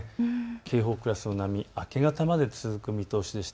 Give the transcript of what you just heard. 警報クラスの波、明け方まで続く見通しです。